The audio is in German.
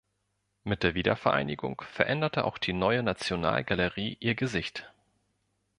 Mit der Wiedervereinigung veränderte auch die Neue Nationalgalerie ihr Gesicht.